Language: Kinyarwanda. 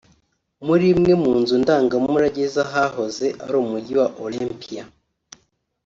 muri imwe mu nzu ndangamurage z’ahahoze ari Umujyi wa Olympia